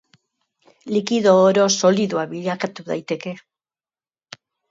Likido oro solidoa bilakatu daiteke.